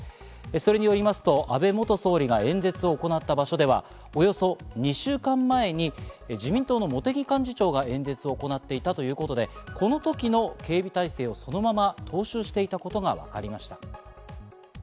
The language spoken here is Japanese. それによりますと安倍元総理が演説を行った場所ではおよそ２週間前に自民党の茂木幹事長が演説を行っていたということで、この時の警備体制をそのまま踏襲していたことがわかりました。